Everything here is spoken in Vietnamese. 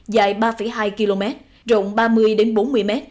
dài ba hai km rộng ba mươi bốn mươi m